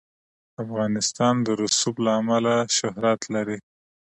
افغانستان د رسوب له امله شهرت لري.